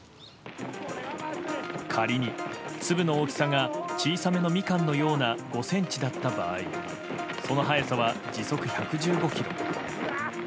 仮に粒の大きさが小さめのミカンのような５ｃｍだった場合その速さは時速１１５キロ。